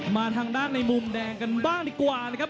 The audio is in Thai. มาทางด้านในมุมแดงกันบ้างดีกว่านะครับ